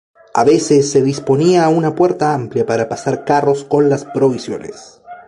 A veces, se disponía una puerta amplia para pasar carros con las provisiones.